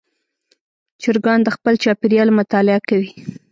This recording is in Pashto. چرګان د خپل چاپېریال مطالعه کوي.